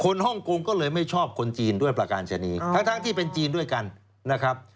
ฮ่องกงก็เลยไม่ชอบคนจีนด้วยประการชนีทั้งที่เป็นจีนด้วยกันนะครับ